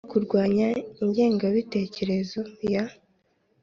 Kurwanya ingengabitekerezo ya